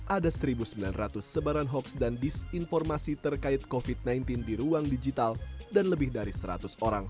ada satu sembilan ratus sebaran hoaks dan disinformasi terkait covid sembilan belas di ruang digital dan lebih dari seratus orang